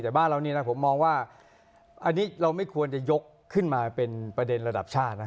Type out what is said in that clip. แต่บ้านเรานี่นะผมมองว่าอันนี้เราไม่ควรจะยกขึ้นมาเป็นประเด็นระดับชาตินะ